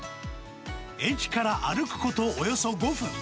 駅から歩くことおよそ５分。